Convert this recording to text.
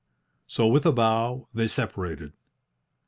So, with a bow, they separated.